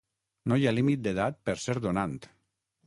No hi ha límit d'edat per ser donant!